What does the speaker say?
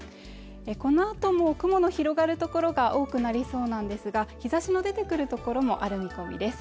このあとも雲の広がる所が多くなりそうなんですが日差しの出てくる所もある見込みです